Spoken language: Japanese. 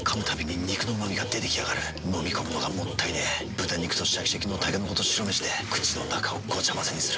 豚肉とシャキシャキのたけのこと白めしで口の中をごちゃ混ぜにする。